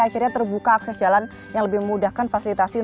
akhirnya terbuka akses jalan yang lebih memudahkan fasilitasi